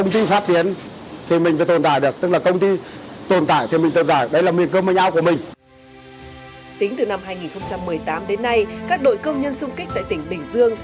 tính từ năm hai nghìn một mươi tám đến nay các đội công nhân xung kích tại tỉnh bình dương